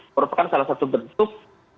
merupakan salah satu bentuk